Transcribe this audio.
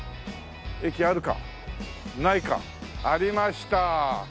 駅あるかないかありました。